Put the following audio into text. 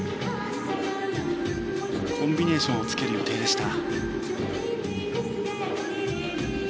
コンビネーションをつける予定でした。